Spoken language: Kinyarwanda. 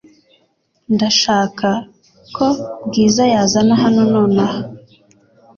Ndashaka ko Bwiza yazana hano nonaha .